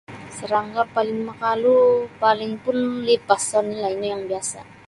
Sarangga' paling makalu paling pun lipas oni'lah ino yang biasa'.